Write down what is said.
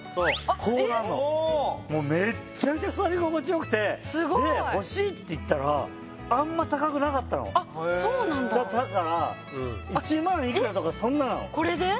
こうなんのもうめっちゃめちゃ座り心地よくてで欲しいって言ったらあっそうなんだだから１万いくらとかそんななのこれで？